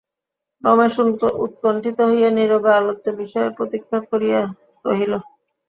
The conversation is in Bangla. রমেশ উৎকণ্ঠিত হইয়া নীরবে আলোচ্য বিষয়ের প্রতীক্ষা করিয়া রহিল।